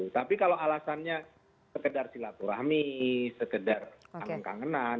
tapi kalau alasannya sekedar silaturahmi sekedar kangen kangenan